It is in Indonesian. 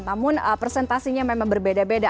namun presentasinya memang berbeda beda